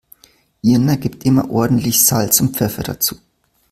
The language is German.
Irina gibt immer ordentlich Salz und Pfeffer dazu.